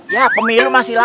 ya pemil masih lah